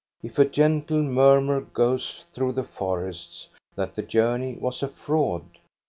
If a gentle murmur goes through the forests that the journey was a fraud